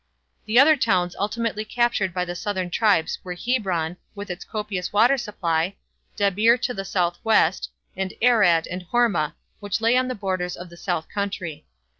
The other towns ultimately captured by the southern tribes were Hebron, with its copious water supply, Debir to the southwest, and Arad and Hormah which lay on the borders of the South Country.